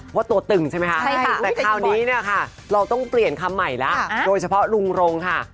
ว่าตัวตึงใช่ไหมคะแต่คราวนี้เนี่ยค่ะเราต้องเปลี่ยนคำใหม่แล้วโดยเฉพาะลุงรงค่ะ